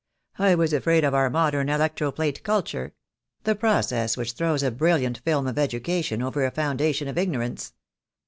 I was afraid of our modern electro plate culture — the process which throws a brilliant film of education over a foundation of ignorance.